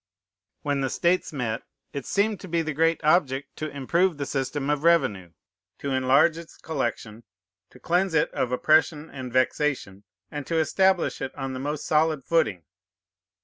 When the States met, it seemed to be the great object to improve the system of revenue, to enlarge its collection, to cleanse it of oppression and vexation, and to establish it on the most solid footing.